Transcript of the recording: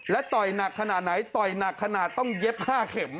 และต่อยหนักขนาดไหนต่อยหนักขนาดต้องเย็บ๕เข็ม